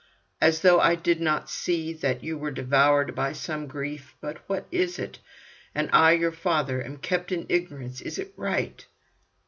As though I did not see that you were devoured by some grief, but what is it? And I, your father, am kept in ignorance. Is it right?"